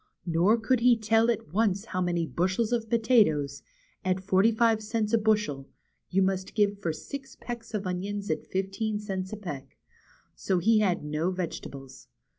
Nor could he tell at once how many bushels of potatoes, at forty five cents a bushel, you must give for six pecks of onions at fifteen cents a peck. So he had no vegetables.